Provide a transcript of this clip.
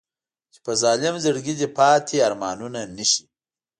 چې په ظالم زړګي دې پاتې ارمانونه نه شي.